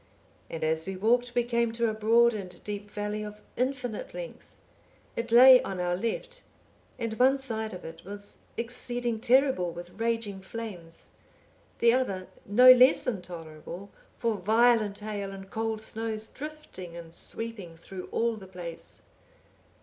And as we walked we came to a broad and deep valley of infinite length; it lay on our left, and one side of it was exceeding terrible with raging flames, the other no less intolerable for violent hail and cold snows drifting and sweeping through all the place.